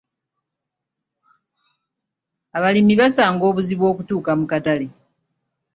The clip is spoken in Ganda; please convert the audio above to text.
Abalimi basanga obuzibu okutuuka mu katale.